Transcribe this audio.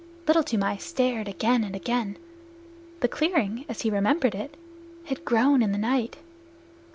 Little Toomai stared again and again. The clearing, as he remembered it, had grown in the night.